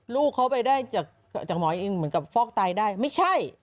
ลูกเขาไปได้จากหมอเองเหมือนกับฟอกไตได้ไม่ใช่